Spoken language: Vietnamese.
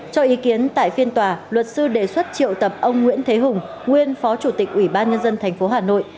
cho ý kiến tại phiên tòa luật sư đề xuất triệu tập ông nguyễn thế hùng nguyên phó chủ tịch ủy ban nhân dân tp hà nội